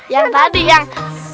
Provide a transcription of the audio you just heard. yang tadi yang